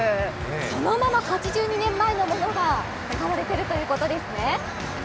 そのまま８２年前のものが使われているということですね。